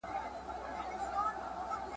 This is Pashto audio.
پیشي کوچنۍ ده.